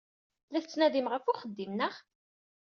La tettnadim ɣef uxeddim, naɣ?